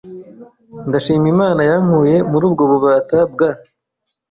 Ndashima Imana yankuye muri ubwo bubata bwa